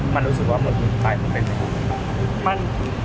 มันรู้สึกว่าหมดหมดตายไม่เป็น